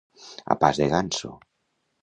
A pas de ganso.